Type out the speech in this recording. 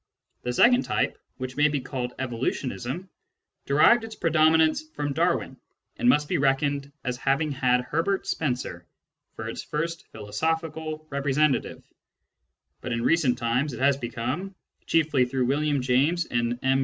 The second type, which may be called evolutionism, derived its predominance from Darwin, and must be reckoned as having had Herbert Spencer for its first philosophical representative ; but in recent times it has become, chiefly through William James and M.